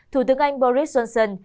thủ tướng anh boris johnson